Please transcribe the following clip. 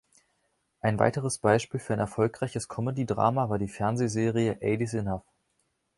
Ein weiteres Beispiel für ein erfolgreiches Comedy-Drama war die Fernsehserie „Eight is Enough“.